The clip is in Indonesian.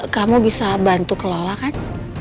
kamu bisa bantu kelola kan